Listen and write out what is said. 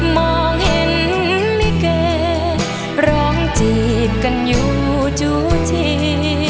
มองเห็นลิเกร้องจีบกันอยู่จู่ที